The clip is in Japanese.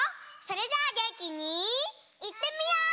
それじゃあげんきにいってみよう！